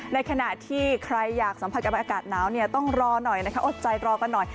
ในขณะที่ใครอยากสัมผัสกับอากาศหนาวต้องรอหน่อยนะคะอดใจรอกันหน่อย